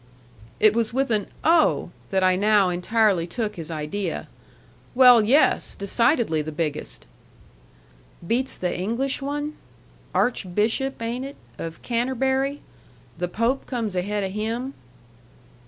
It was with an "Oh!" that I now entirely took his idea. "Well, yes; decidedly the biggest." "Beats the English one? Archbishop ain't it? of Canterbury? The Pope comes ahead of him?"